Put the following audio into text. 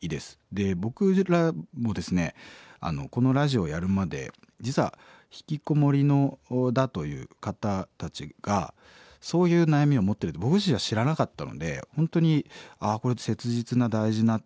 で僕らもですねこのラジオやるまで実はひきこもりだという方たちがそういう悩みを持ってるって僕自身は知らなかったので本当に「ああこれって切実な大事な話だな」と思って。